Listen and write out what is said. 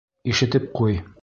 Ишетеп ҡуй!